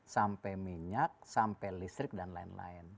sampai minyak sampai listrik dan lain lain